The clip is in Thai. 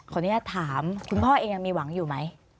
อนุญาตถามคุณพ่อเองยังมีหวังอยู่ไหม